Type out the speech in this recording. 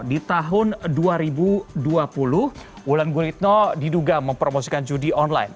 di tahun dua ribu dua puluh wulan gulitno diduga mempromosikan judi online